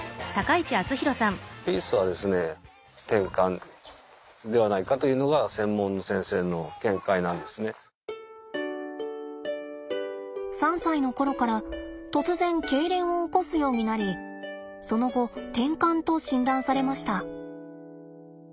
ピースはですね３歳の頃から突然けいれんを起こすようになりその後てんかんと診断されました。